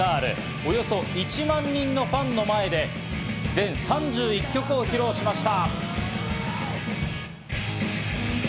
およそ１万人のファンの前で全３１曲を披露しました。